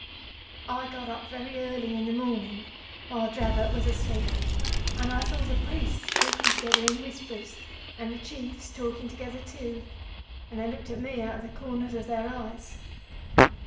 I got up very early in the morning while Dravot was asleep, and I saw the priests talking together in whispers, and the Chiefs talking together too, and they looked at me out of the corners of their eyes.